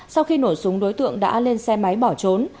sau khi nổ súng đối tượng đã lên xe máy bỏ trốn